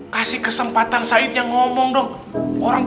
kasih kesempatan said yang ngomong dong orang